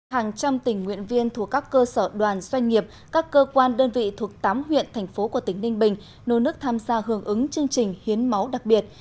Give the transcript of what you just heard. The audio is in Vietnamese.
hàng trăm tình nguyện viên thuộc các cơ sở đoàn doanh nghiệp các cơ quan đơn vị thuộc tám huyện thành phố của tỉnh ninh bình nôn nước tham gia hưởng ứng chương trình hiến máu đặc biệt